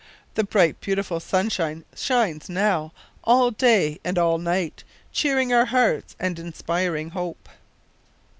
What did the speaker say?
The bright beautiful sunshine shines now, all day and all night, cheering our hearts and inspiring hope.